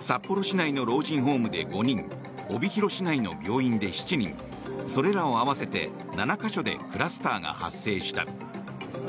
札幌市内の老人ホームで５人帯広市内の病院で７人それらを合わせて７か所でクラスターが発生した。